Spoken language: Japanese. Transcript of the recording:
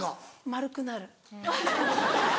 丸くなる。